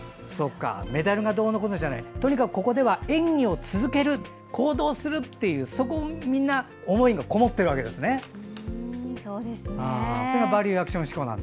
メダルがどうのこうのじゃなくてとにかく、ここでは演技を続ける、行動するっていうそこにみんな思いがこもっているわけですね。